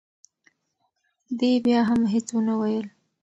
دې بیا هم هیڅ ونه ویل.